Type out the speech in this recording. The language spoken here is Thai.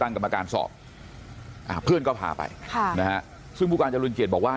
กรรมการสอบอ่าเพื่อนก็พาไปค่ะนะฮะซึ่งผู้การจรุนเกียจบอกว่า